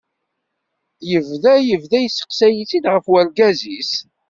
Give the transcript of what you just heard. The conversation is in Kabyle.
Yebda yebda yesteqsay-itt-id ɣef urgaz-is.